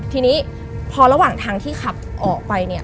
ทีนี้พอระหว่างทางที่ขับออกไปเนี่ย